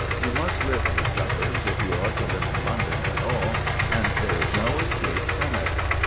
You must live in the suburbs if you are to live in London at all, and there is no escape from it.